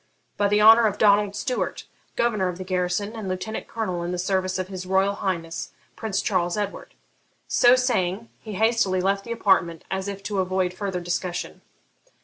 'By the honour of Donald Stewart, governor of the garrison, and lieutenant colonel in the service of his Royal Highness Prince Charles Edward.' So saying, he hastily left the apartment, as if to avoid further discussion.